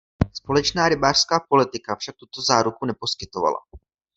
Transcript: Společná rybářská politika však tuto záruku neposkytovala.